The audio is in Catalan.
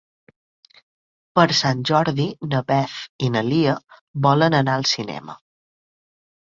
Per Sant Jordi na Beth i na Lia volen anar al cinema.